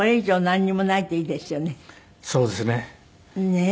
ねえ。